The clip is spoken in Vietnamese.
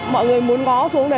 mọi người muốn ngó xuống đấy